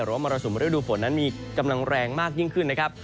มรสุมฤดูฝนนั้นมีกำลังแรงมากยิ่งขึ้นนะครับ